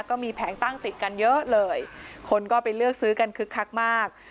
แผงตั้งติดกันเยอะเลยคนก็ไปเลือกซื้อกันคึกคักมาก